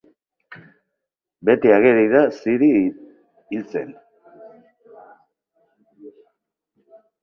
Beti ageri da Ziri hiltzen.